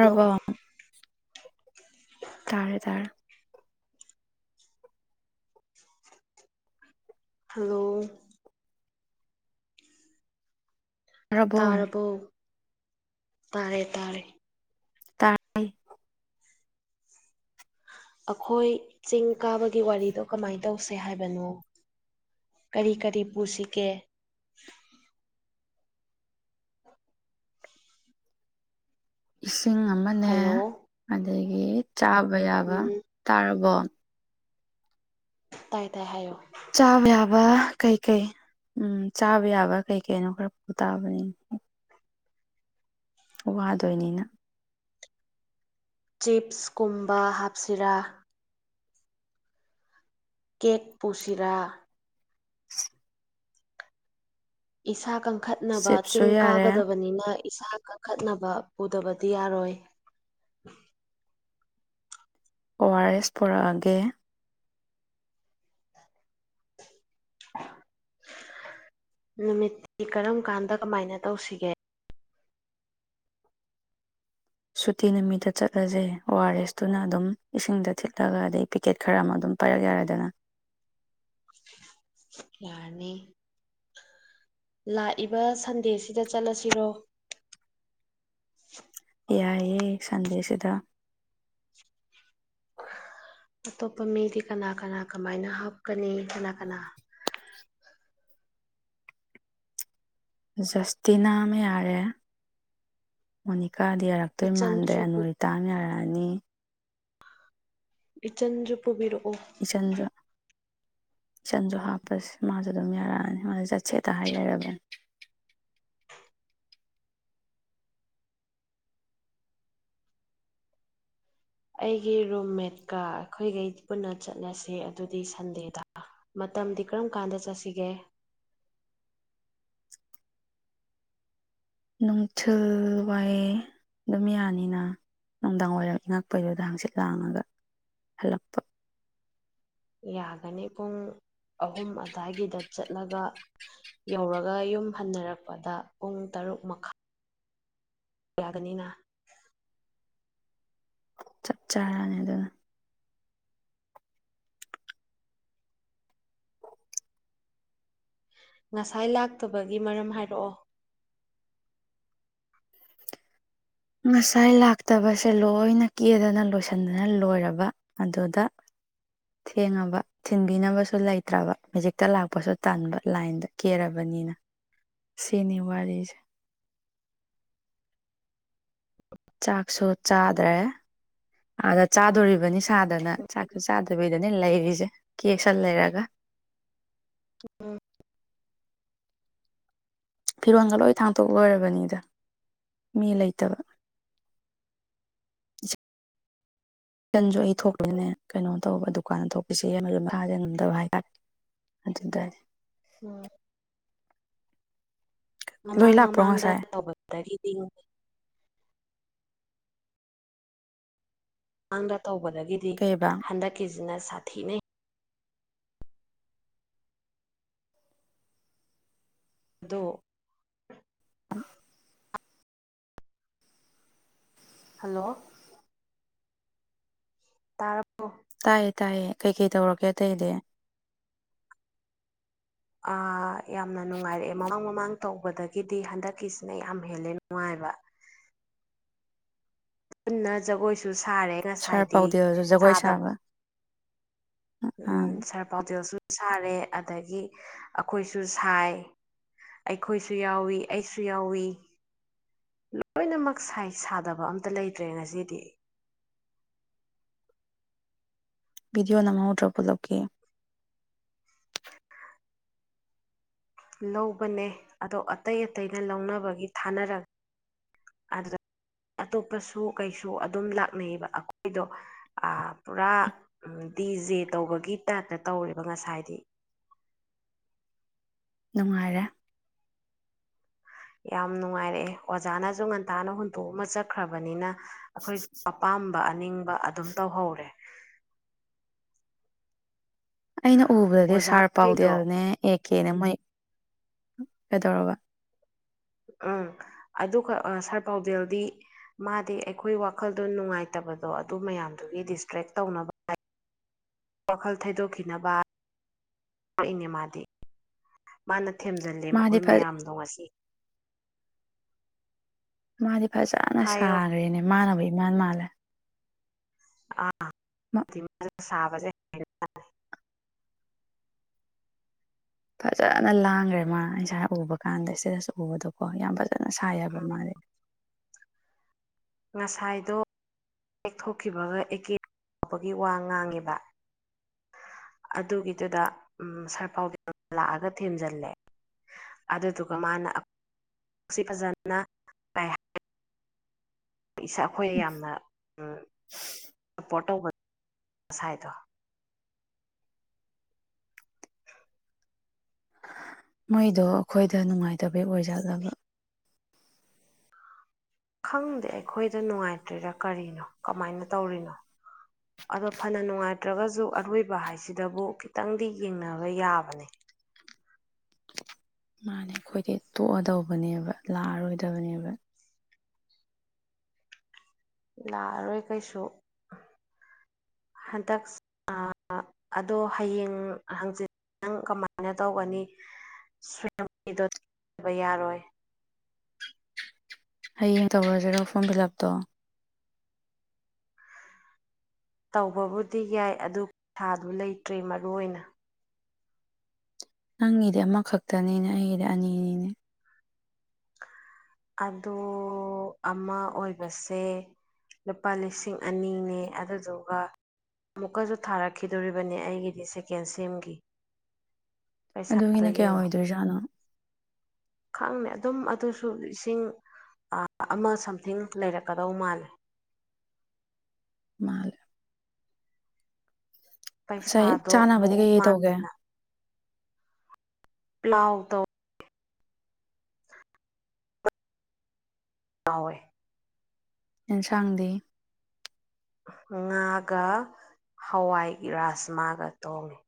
hello ꯇꯥꯔꯦ ꯇꯔ hello ꯇꯥꯔꯕꯣ ꯇꯥꯔꯕꯔꯕꯣ ꯇꯥꯔꯦ ꯇꯥꯔꯦ ꯇ ꯑꯩꯈꯣꯏ ꯆꯤꯡ ꯀꯥꯕꯒꯤ ꯋꯥꯔꯤꯗꯣ ꯀꯃꯥꯏ ꯇꯧꯁꯦ ꯍꯥꯏꯕꯅꯣ ꯀꯔꯤ ꯀꯔꯤ ꯄꯨꯁꯤꯒꯦ ꯎ ꯆꯤꯡ ꯑꯃꯅꯦ ꯍꯜꯂꯣ ꯑꯗꯒꯤ ꯆꯥꯕ ꯌꯥꯕ ꯎꯝ ꯇꯥꯔꯕꯣ ꯇꯥꯏ ꯇꯥꯏ ꯍꯥꯏꯌꯣ ꯆꯥꯕ ꯌꯥꯕ ꯀꯩꯀꯩ ꯎꯝ ꯆꯥꯕ ꯌꯥꯕ ꯀꯩꯀꯅꯣ ꯈꯔ ꯇꯥꯕꯅꯤ ꯋꯥꯗꯣꯏꯅꯤꯅ ꯆꯤꯞꯁꯀꯨꯝꯕ ꯍꯥꯞꯁꯤꯔꯥ ꯀꯦꯛ ꯄꯨꯁꯤꯔꯥ ꯏꯁꯥ ꯀꯝ ꯈꯠꯅꯕ ꯆꯤꯞꯁꯨ ꯆꯤꯡ ꯌꯥꯔꯦ ꯀꯥꯒꯗꯕꯅꯤꯅ ꯏꯁꯥ ꯀꯟꯈꯠꯅꯕ ꯄꯨꯗꯕꯗꯤ ꯌꯥꯔꯣꯏ ꯑꯣ ꯑꯥꯔ ꯑꯦꯁ ꯄꯨꯔꯛꯑꯒꯦ ꯅꯨꯃꯤꯠꯇꯤ ꯀꯔꯝ ꯀꯥꯟꯗ ꯀꯃꯥꯏꯅ ꯇꯧꯁꯤꯒꯦ ꯁꯨꯇꯤ ꯅꯨꯃꯤꯠꯇ ꯆꯠꯂꯁꯦ ꯑꯣ ꯑꯥꯔ ꯑꯦꯁꯇꯨꯅ ꯑꯗꯨꯝ ꯏꯁꯤꯡꯗ ꯊꯤꯠꯂꯒ ꯑꯗꯩ ꯄꯤꯀꯦꯠ ꯈꯔ ꯑꯃ ꯑꯗꯨꯝ ꯄꯥꯏꯔꯛ ꯌꯥꯔꯦꯗꯅ ꯌꯥꯔꯅꯤ ꯂꯥꯛꯏꯕ ꯁꯟꯗꯦꯁꯤꯗ ꯆꯠꯂꯁꯤꯔꯣ ꯌꯥꯏꯌꯦ ꯁꯟꯗꯦꯁꯤꯗ ꯑꯇꯣꯞꯄ ꯃꯤꯗꯤ ꯀꯅꯥ ꯀꯅꯥ ꯀꯃꯥꯏꯅ ꯍꯥꯞꯀꯅꯤ ꯀꯅꯥ ꯀꯅꯥ ꯖꯁꯇꯤꯅꯥꯝꯥ ꯌꯥꯔꯦ ꯃꯅꯤ ꯀꯥꯗꯤ ꯌꯥꯔꯛꯇꯣꯏ ꯃꯥꯟꯗ꯭ꯔꯦ ꯏꯆꯟꯁꯨ ꯑꯅꯣꯏꯔꯤ ꯇꯥꯡꯅ ꯌꯥꯔꯦ ꯑꯅꯤ ꯏꯆꯟꯁꯨ ꯄꯨꯕꯤꯔꯣꯑꯣ ꯏꯆꯟꯒ ꯆꯟꯁꯨ ꯍꯥꯞꯄꯁꯦ ꯃꯥꯁꯨ ꯑꯗꯨꯝ ꯌꯥꯔꯛꯑꯅꯤ ꯃꯥꯁ ꯆꯠꯁꯦꯠꯇ ꯍꯥꯏ ꯂꯩꯔꯕꯅꯤ ꯑꯩꯒꯤ ꯔꯨꯝꯃꯦꯠꯀꯥ ꯑꯩꯈꯣꯏꯒꯩ ꯄꯨꯟꯅ ꯆꯠꯅꯁꯤ ꯑꯗꯨꯗꯤ ꯁꯟꯗꯦꯗ ꯃꯇꯝꯗꯤ ꯀꯔꯝ ꯀꯥꯟꯗ ꯆꯠꯁꯤꯒꯦ ꯅꯨꯡꯊꯤꯜ ꯋꯥꯏ ꯑꯗꯨꯝ ꯌꯥꯅꯤꯅ ꯅꯨꯡꯗꯥꯡ ꯋꯥꯏꯔꯝ ꯏꯪꯉꯛꯄꯩꯗꯨꯗ ꯍꯥꯡꯆꯤꯠ ꯂꯥꯡꯉꯒ ꯍꯜꯂꯛꯄ ꯌꯥꯒꯅꯤ ꯄꯨꯡ ꯑꯍꯨꯝ ꯑꯗꯨꯋꯥꯏꯒꯤꯗ ꯆꯠꯂꯒ ꯌꯧꯔꯒ ꯌꯨꯝ ꯍꯟꯅꯔꯛꯄꯗ ꯄꯨꯡ ꯇꯔꯨꯛ ꯃꯈꯥꯏ ꯌꯥꯒꯅꯤꯅꯥ ꯆꯞ ꯆꯥꯔꯅꯤ ꯑꯗꯨꯅꯥ ꯉꯁꯥꯏ ꯂꯥꯛꯇꯕꯒꯤ ꯃꯔꯝ ꯍꯥꯏꯔꯛꯑꯣ ꯉꯁꯥꯏ ꯂꯥꯛꯇꯕꯁꯦ ꯂꯣꯏꯅ ꯀꯦꯗꯅ ꯂꯣꯏꯁꯤꯟꯗꯅ ꯂꯣꯏꯔꯕ ꯑꯗꯨꯗ ꯊꯦꯡꯉꯕ ꯊꯤꯟꯕꯤꯅꯕꯁꯨ ꯂꯩꯇ꯭ꯔꯕ ꯃ‌ꯦꯖꯤꯛꯇ ꯂꯥꯛꯄꯁꯨ ꯇꯟꯥꯟꯕ ꯂꯥꯏꯟꯗ ꯀꯦꯔꯕꯅꯤꯅ ꯁꯤꯅꯤ ꯋꯥꯔꯤꯁꯦ ꯆꯥꯛꯁꯨ ꯆꯥꯗ꯭ꯔꯦ ꯑꯥꯗ ꯆꯥꯗꯣꯔꯤꯕꯅꯤ ꯆꯥꯗꯅ ꯆꯥꯛꯁꯨ ꯆꯥꯗꯕ [unintelligible] ꯗꯅꯦ ꯂꯩꯔꯤꯁꯦ ꯀꯦꯛꯁꯟ ꯂꯩꯔꯒ ꯎꯝ ꯐꯤꯔꯣꯟꯜꯒ ꯂꯣꯏ ꯊꯥꯡꯇꯣꯛ ꯂꯣꯏꯔꯕꯅꯤꯗ ꯃꯤ ꯂꯩꯇꯕ ꯏꯀꯟꯁꯨ ꯑꯩ ꯊꯣꯛꯄꯅꯦ ꯀꯩꯅꯣ ꯇꯧꯕ ꯗꯨꯀꯥꯟꯗ ꯊꯣꯛꯄꯤꯁꯤ ꯃꯈꯥꯗ ꯉꯝꯗꯕ ꯍꯥꯏꯇꯥꯔꯦ ꯑꯗꯨꯗꯤ ꯎꯝ ꯂꯣꯏ ꯃꯃꯥꯡ ꯂꯥꯛꯄ꯭ꯔꯣ ꯃꯃꯥꯡꯗꯥ ꯉꯁꯥꯏ [unintelligible] [unintelligible] ꯇꯧꯕꯗꯒꯤꯗꯤ ꯀꯩꯕ ꯍꯟꯗꯛꯀꯤ ꯑꯗꯨꯅ ꯁꯥꯊꯤꯅꯩ ꯑꯥꯗꯣ ꯍꯜꯂꯣ ꯇꯔꯕ‌ꯣ ꯇꯥꯏꯌꯦ ꯇꯥꯏꯌꯦ ꯀꯩꯀꯩ ꯇꯧꯔꯒꯦ ꯑꯇꯩꯗꯤ ꯑꯥ ꯌꯥꯝꯅ ꯅꯨꯡꯉꯥꯏꯔꯛꯑꯦ ꯃꯃꯥꯡ ꯃꯃꯥꯡ ꯇꯧꯕꯗꯒꯤꯗꯤ ꯍꯟꯗꯛꯀꯤꯁꯤꯅ ꯌꯥꯝ ꯍꯦꯜꯂꯦ ꯅꯨꯡꯉꯥꯏꯕ ꯄꯨꯅ ꯖꯒꯣꯏꯁꯨ ꯁꯥ ꯁꯥꯔꯦ ꯁꯥꯔ ꯉꯁꯥꯏꯗꯤ ꯄꯥꯎꯗꯦꯜꯁꯨ ꯖꯒꯣꯏ ꯁꯥꯗꯤ ꯁꯥꯕ [unintelligible] ꯑꯥ ꯎꯝ ꯁꯔ ꯄꯥꯎꯖ ꯁꯨ ꯁꯥꯔꯦ ꯑꯗꯒꯤ ꯑꯩꯈꯣꯏꯁꯨ ꯁꯥꯏ ꯑꯩꯈꯣꯏꯁꯨ ꯌꯥꯎꯏꯤ ꯑꯩꯁꯨ ꯌꯥꯎꯏ ꯂꯣꯏꯅꯃꯛ ꯁꯥꯗꯕ ꯑꯝꯇ ꯂꯩꯇ꯭ꯔꯦ ꯉꯁꯤꯗꯤ ꯕꯤꯗꯤꯑꯣ ꯅꯃꯍꯎꯗꯔ‌ꯣ ꯄꯨꯂꯞꯀꯤ ꯂꯧꯕꯅꯦ ꯑꯗꯣ ꯑꯇꯩ ꯑꯇꯩꯅ ꯂꯧꯅꯕꯒꯤ ꯊꯥꯅꯔꯒ ꯑꯗꯨꯗ ꯑꯇꯣꯞꯄꯁꯨ ꯀꯩꯁꯨ ꯑꯗꯨꯝ ꯂꯥꯛꯅꯩꯑꯕ ꯑꯩꯈꯣꯏꯗꯣ ꯄꯨꯔꯥ ꯗꯤ ꯖꯦ ꯇꯧꯕꯒꯤ ꯇꯥꯏꯞꯇ ꯇꯧꯔꯦꯕ ꯉꯁꯥꯏꯗꯤ ꯅꯨꯡꯉꯥꯏꯔꯦ ꯌꯥꯝ ꯅꯨꯡꯉꯥꯏꯔꯛꯑꯦ ꯑꯣꯖꯥꯅꯁꯨ ꯉꯟꯇꯥꯅ ꯍꯨꯟꯇꯣꯛ ꯑꯃ ꯆꯠꯈ꯭ꯔꯕꯅꯤꯅꯥ ꯑꯩꯈꯣꯏꯁꯨ ꯑꯄꯥꯝꯕ ꯑꯅꯤꯡꯕ ꯑꯗꯨꯝ ꯇꯧꯍꯧꯔꯦ ꯑꯩꯅ ꯎꯕꯗꯗꯤ ꯁꯥꯔ ꯑꯣꯖꯥꯈꯩꯗꯣ ꯄꯥꯎꯗꯦꯜꯅꯦ ꯑꯦꯛ ꯀꯦꯅ ꯃꯣꯏ ꯀꯩꯗꯧꯔꯕ ꯎꯝ ꯑꯗꯨ ꯁꯥꯔ ꯄꯥꯎꯗꯦꯜꯗꯤ ꯃꯥꯗꯤ ꯑꯩꯈꯣꯏ ꯋꯥꯈꯜꯗꯣ ꯅꯨꯡꯉꯥꯏꯇꯕꯗꯣ ꯑꯗꯨ ꯃꯌꯥꯝꯗꯨꯒꯤ ꯗꯤꯁꯇ꯭ꯔꯦꯛ ꯇꯧꯅꯕ ꯍꯥꯏ ꯋꯥꯈꯜ ꯊꯩꯗꯣꯛꯈꯤꯅꯕ ꯇꯔꯛꯏꯅꯦ ꯃꯥꯗꯤ ꯃꯥꯅ ꯊꯦꯝꯖꯤꯜꯂꯦ ꯃꯥꯗꯤ ꯑꯩꯈꯣꯏ ꯐ ꯃꯌꯥꯝꯗꯣ ꯉꯁꯤ ꯃꯥꯗꯤ ꯐꯖꯅ ꯍꯥꯏꯌꯣ ꯁꯥꯈ꯭ꯔꯦꯅꯦ ꯃꯥꯅꯕꯩ ꯜ ꯃꯥꯂꯦ ꯑꯥ ꯁꯥꯕꯁꯦꯥ ꯐꯖꯅ ꯂꯥꯡꯈ꯭ꯔꯦ ꯃꯥ ꯉꯁꯥ ꯎꯕ ꯀꯥꯟꯗ ꯁꯤꯗꯁꯨ ꯎꯕꯗꯣꯀꯣ ꯌꯥꯝ ꯐꯖ ꯐꯖꯅ ꯁꯥꯕ ꯃꯥꯜꯂꯦ ꯉꯁꯥꯏꯗꯣ ꯍꯛꯊꯣꯛꯈꯤꯕꯒ ꯑꯦꯀꯦ ꯇꯥꯎꯕꯒꯤ ꯋꯥ ꯉꯥꯡꯉꯦꯕ ꯑꯗꯨꯒꯤꯗꯨꯗ ꯁꯥꯔꯐꯥꯎꯗ ꯂꯥꯛꯑꯒ ꯊꯦꯝꯖꯤꯜꯂꯦ ꯑꯗꯨꯗꯨꯒ ꯃꯥꯅ ꯐꯖꯅ ꯏꯁꯥ ꯑꯩꯈꯣꯏ ꯌꯥꯝꯅ ꯁꯞꯄꯣꯔꯠ ꯇꯧꯕ ꯉꯁꯥꯏꯗ ꯃꯣꯏꯗꯣ ꯑꯩꯈꯣꯏꯗ ꯅꯨꯡꯉꯥꯏꯇꯕꯒꯤ ꯑꯣꯏꯖꯠꯂꯒ ꯈꯪꯗꯦ ꯑꯩꯈꯣꯏꯗ ꯅꯨꯡꯉꯥꯏꯇ꯭ꯔꯔꯤꯔꯥ ꯀꯔꯤꯅꯣ ꯀꯃꯥꯏꯅ ꯇꯧꯔꯤꯅꯣ ꯑꯗꯣ ꯐꯅ ꯅꯨꯡꯉꯥꯏꯇ꯭ꯔꯒꯁꯨ ꯑꯔꯣꯏꯕ ꯍꯥꯏꯁꯤꯗꯕꯨ ꯈꯤꯇꯪꯗꯤ ꯌꯦꯡꯅꯕ ꯌꯥꯕꯅꯦ ꯃꯥꯅꯦ ꯑꯩꯈꯣꯏꯗꯤ ꯇꯣꯛꯑꯗꯧꯕꯅꯦꯕ ꯂꯥꯛꯑꯔꯣꯏꯗꯕꯅꯦꯕ ꯂꯥꯛꯑꯔꯣꯏ ꯀꯩꯁꯨ ꯍꯟꯗꯛ ꯑꯗꯣ ꯍꯌꯦꯡ ꯍꯪꯆꯤꯤꯟ ꯅꯪ ꯀꯃꯥꯏꯅ ꯇꯧꯒꯅꯤꯕ ꯌꯥꯔꯣꯏ ꯍꯌꯦꯡ ꯇꯧꯔꯁꯤꯔꯣ ꯐꯣꯝ ꯐꯤꯜ ꯑꯞꯇꯣ ꯇꯧꯕꯕꯨꯗꯤ ꯌꯥꯏ ꯑꯗꯨ ꯊꯥꯗꯨ ꯂꯩꯇ꯭ꯔꯦ ꯃꯔꯨ ꯑꯣꯏꯅ ꯅꯪꯅꯤꯗꯤ ꯑꯃꯈꯛꯇꯅꯤꯅꯦ ꯑꯩꯒꯤꯗꯤ ꯑꯅꯤꯅꯤꯅꯦ ꯑꯗꯨ ꯑꯃ ꯑꯣꯏꯕꯁꯦ ꯂꯨꯄꯥ ꯂꯤꯁꯤꯡ ꯑꯅꯤꯅꯦ ꯑꯗꯨꯗꯨꯒ ꯑꯃꯨꯛꯀꯁꯨ ꯊꯥꯔꯛꯈꯤꯗꯣꯔꯤꯕꯅꯦ ꯑꯩꯒꯤꯗꯤ ꯁꯦꯀꯦꯟ ꯁꯦꯝꯒꯤ ꯄꯩꯁꯥꯗꯣ ꯑꯗꯨꯒꯤꯅ ꯀꯌꯥ ꯌꯦꯡꯉꯣ ꯑꯣꯏꯗꯣꯏꯖꯥꯠꯅꯣ ꯝ ꯑ ꯁꯣ ꯏꯁꯤꯡ ꯑꯃ ꯁꯝꯊꯤꯡ ꯂꯩꯔꯛꯀꯗꯧ ꯃꯥꯜꯂꯦ ꯃꯥꯂ ꯉꯁꯥꯏ ꯄꯩꯁꯥꯗꯣ ꯆꯥꯅꯕꯗꯤ ꯃꯨꯛ ꯀꯩꯀꯩ ꯇꯧꯒꯦ ꯃꯥꯟꯗꯅ ꯄ꯭ꯂꯥꯎꯗ ꯇ ꯍꯣꯏ ꯑꯦꯟꯁꯥꯡꯗꯤ ꯉꯥꯒ ꯍꯋꯥꯏ ꯔꯥꯁꯃꯥꯒ ꯇꯣꯡꯉꯤ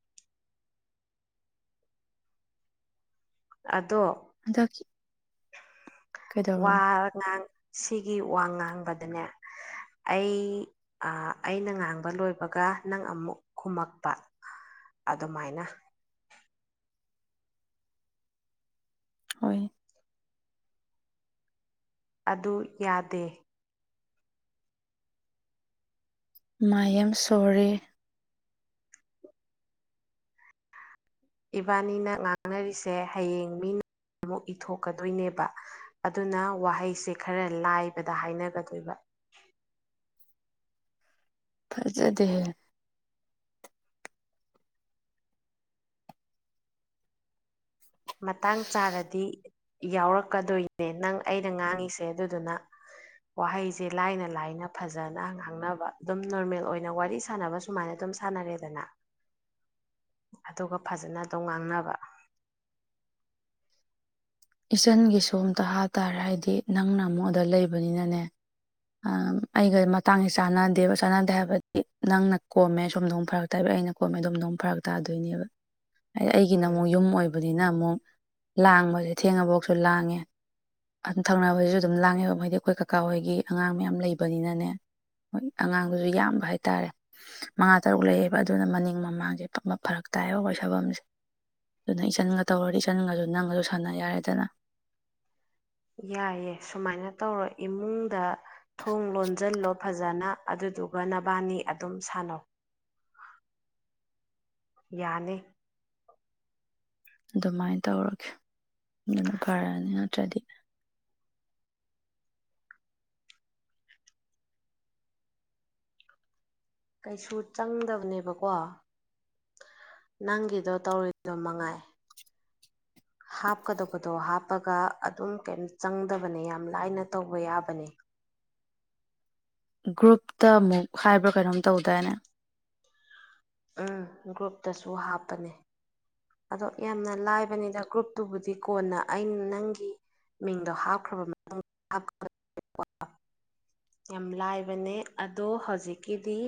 ꯑꯗꯣ ꯑꯗꯒꯤ ꯋꯥ ꯉꯥꯡ ꯁꯤꯒꯤ ꯋꯥꯉꯥꯡ ꯉꯥꯡꯕꯗꯅꯦ ꯑꯩ ꯑꯩꯅ ꯉꯥꯡꯕ ꯂꯣꯏꯕꯒ ꯅꯪ ꯑꯃꯨꯛ ꯈꯨꯝꯃꯛꯄ ꯑꯗꯨꯃꯥꯏꯅ ꯍꯣꯏ ꯑꯗꯨ ꯌꯥꯗꯦ ꯃꯥꯏ ꯑ ꯁꯣꯣꯔꯦ ꯏꯕꯥꯅꯤꯅ ꯉꯥꯡꯅꯔꯤꯁꯦ ꯍꯌꯦꯡ ꯃꯤꯅ ꯑꯃꯨꯛ ꯏꯊꯣꯛꯀꯗꯣꯏꯅꯦꯕ ꯑꯗꯨꯅ ꯋꯥꯍꯩꯁꯦ ꯈꯔ ꯂꯥꯏꯕꯗ ꯍꯥꯏꯅꯒꯗꯣꯏꯕ ꯐꯖꯗꯦ ꯃꯇꯥꯡ ꯆꯥꯔꯗꯤ ꯌꯥꯎꯔꯛꯀꯗꯣꯏꯅꯦ ꯅꯪ ꯑꯩꯅ ꯉꯥꯡꯉꯤꯁꯦ ꯑꯗꯨꯗꯨꯅ ꯋꯥꯍꯩꯁꯦ ꯂꯥꯏꯅ ꯂꯥꯏꯅ ꯐꯖꯅ ꯉꯥꯡꯅꯕ ꯑꯗꯨꯝ ꯅꯣꯔꯃꯦꯜ ꯑꯣꯏꯅ ꯋꯥꯔꯤ ꯁꯥꯟꯅꯕ ꯁꯨꯃꯥꯏꯅ ꯑꯗꯨꯝ ꯁꯥꯟꯅꯔꯦꯗꯅ ꯑꯗꯨꯒ ꯐꯖꯅ ꯑꯗꯨꯝ ꯉꯥꯡꯅꯕ ꯏꯆꯟꯒꯤ ꯁꯣꯝꯇ ꯍꯥꯇꯥꯥꯔꯦ ꯍꯥꯏꯗꯤ ꯅꯪꯅ ꯑꯃꯨꯛꯗ ꯂꯩꯕꯅꯤꯅꯅꯦ ꯑꯩꯒ ꯃꯇꯥꯡꯁꯦ ꯆꯥꯟꯅꯗꯦꯕ ꯆꯥꯟꯅꯗꯦ ꯍꯥꯏꯕꯗꯤ ꯅꯪꯅ ꯀꯣꯝꯃꯦ ꯁꯣꯨꯝ ꯅꯣꯛ ꯐꯔꯛ ꯇꯥꯕ ꯑꯩꯅ ꯀꯣꯝꯃꯦ ꯑꯣꯝ ꯅꯣꯝ ꯐꯔꯛ ꯇꯥꯗꯣꯏꯅꯦꯕ ꯍꯥꯏꯗꯤ ꯑꯩꯒꯤ ꯅ ꯎꯝ ꯑꯃꯣ ꯌꯨꯝ ꯑꯣꯏꯕꯅꯤꯅ ꯑꯃꯨꯛ ꯂꯥꯡꯕꯁꯦ ꯊꯦꯡꯉꯐꯧꯁꯨ ꯂꯥꯡꯉꯦ ꯑꯗꯨꯝ ꯊꯪꯅꯕꯁꯤꯁꯨ ꯑꯗꯨꯝ ꯂꯥꯡꯉꯦ ꯍꯥꯏꯩꯗꯤ ꯑꯩꯈꯣꯏ ꯀꯀꯥ ꯍꯣꯏꯒꯤ ꯑꯉꯥꯡ ꯃꯌꯥꯝ ꯂꯩꯕꯅꯤꯅꯅꯦ ꯍꯣꯏ ꯑꯉꯥꯡꯗꯨꯁꯨ ꯌꯥꯝꯕ ꯍꯥꯏꯇꯥꯔꯦ ꯃꯉꯥ ꯇꯔꯨꯛ ꯂꯩꯌꯦꯦꯕ ꯑꯗꯨꯅ ꯃꯅꯤꯡ ꯃꯃꯥꯡꯁꯦ ꯐꯔꯛ ꯇꯥꯏꯕ ꯑꯩꯈꯣꯏ ꯁꯥꯐꯝꯁꯦ ꯑꯗꯨꯅ ꯏꯆꯟꯒ ꯇꯧꯔꯗꯤ ꯏꯆꯟꯒꯁꯨ ꯅꯪꯒꯁꯨ ꯁꯥꯟꯅ ꯌꯥꯔꯦꯗꯅ ꯌꯥꯏꯌꯦꯦ ꯁꯨꯃꯥꯏꯅ ꯇꯧꯔꯣ ꯏꯃꯨꯡꯗ ꯊꯣꯡ ꯂꯣꯟꯁꯤꯜꯂꯣ ꯐꯖꯅ ꯑꯗꯨꯗꯨꯒ ꯅꯕꯥꯅꯤ ꯑꯗꯨꯝ ꯁꯥꯟꯅꯧ ꯌꯥꯅꯤ ꯑꯗꯨꯃꯥꯏꯅ ꯇꯧꯔꯒꯦ ꯑꯗꯨꯅ ꯐꯔꯅꯤ ꯅꯠꯇ꯭ꯔꯗꯤ ꯀꯩꯁꯨ ꯆꯪꯗꯕꯅꯦꯕꯀꯣ ꯅꯪꯒꯤꯗꯣ ꯇꯧꯔꯤꯗꯣ ꯃꯉꯥꯏ ꯍꯥꯞꯀꯗꯕꯗꯣ ꯍꯥꯞꯄꯒ ꯑꯗꯨꯝ ꯀꯩꯝ ꯆꯪꯗꯕꯅꯦ ꯌꯥꯝ ꯂꯥꯏꯅ ꯇꯧꯕ ꯌꯥꯕꯅꯦ ꯒ꯭ꯔꯨꯞꯇ ꯑꯃꯨꯛ ꯍꯥꯏꯕ꯭ꯔꯥ ꯀꯩꯅꯣꯝꯇꯧꯗꯥꯏꯅꯦ ꯎꯝ ꯒ꯭ꯔꯨꯞꯇꯁꯨ ꯍꯥꯞꯄꯅꯦ ꯑꯗꯣ ꯌꯥꯝꯅ ꯂꯥꯏꯕꯅꯤꯗ ꯒ꯭ꯔꯨꯞꯇꯨꯕꯨꯗꯤ ꯀꯣꯟꯅ ꯑꯩꯅ ꯅꯪꯒꯤ ꯃꯤꯡꯗꯣ ꯍꯥꯞꯈ꯭ꯔꯕ ꯃꯇꯨꯡ ꯌꯥꯝ ꯂꯥꯏꯕꯅꯦ ꯑꯗꯣ ꯍꯧꯖꯤꯛꯀꯤꯗꯤ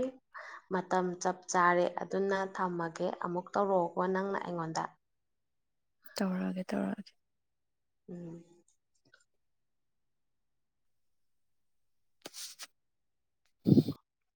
ꯃꯇꯝ ꯆꯞ ꯆꯥꯔꯦ ꯑꯗꯨꯅ ꯊꯝꯃꯒꯦ ꯑꯃꯨꯛ ꯇꯧꯔꯛꯑꯣꯀꯣ ꯅꯪꯅ ꯑꯩꯉꯣꯟꯗ ꯇꯧꯔꯛꯑꯒꯦ ꯇꯧꯔꯛꯑꯒꯦ ꯎꯝ [unintelligible]